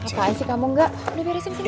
apaan sih kamu nggak udah beresin sini